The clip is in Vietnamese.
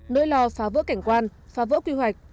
nơi lò phá vỡ cảnh quan phá vỡ quy hoạch